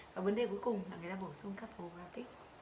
và vấn đề cuối cùng là người ta bổ sung các hồ gạo tích